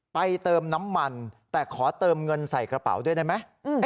เติมน้ำมันแต่ขอเติมเงินใส่กระเป๋าด้วยได้ไหม